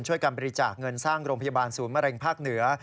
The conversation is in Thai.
การบริจาคเงินสร้างโรงพยาบาลศูนย์มะเร็งภาคเหนือ